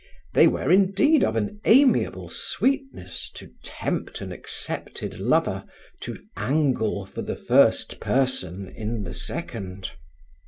They were indeed of an amiable sweetness to tempt an accepted lover to angle for the first person in the second.